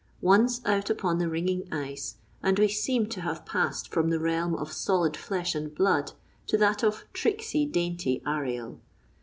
Once out upon the ringing ice, and we seem to have passed from the realm of solid flesh and blood to that of "tricksy, dainty Ariel."